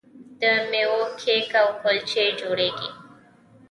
د میوو کیک او کلچې جوړیږي.